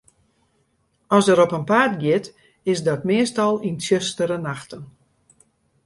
As er op 'en paad giet, is dat meastal yn tsjustere nachten.